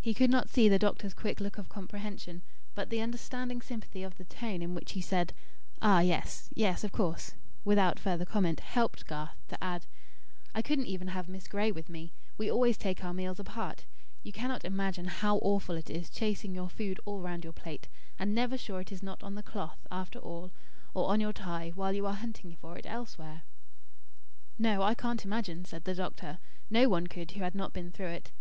He could not see the doctor's quick look of comprehension, but the understanding sympathy of the tone in which he said: "Ah, yes. Yes, of course," without further comment, helped Garth to add: "I couldn't even have Miss Gray with me. We always take our meals apart. You cannot imagine how awful it is chasing your food all round your plate, and never sure it is not on the cloth, after all, or on your tie, while you are hunting for it elsewhere." "No, I can't imagine," said the doctor. "No one could who had not been through it.